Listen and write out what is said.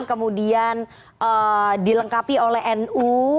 kemudian dilengkapi oleh nu